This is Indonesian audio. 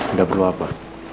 udah perlu apa